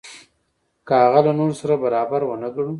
که هغه له نورو سره برابر ونه ګڼو.